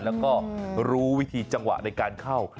แล้วก็รู้วิธีจังหวะในการเข้า